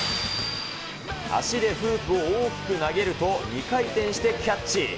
足でフープを大きく投げると、２回転してキャッチ。